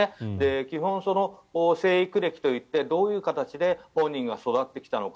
基本、成育歴といってどういう形で本人が育ってきたのか。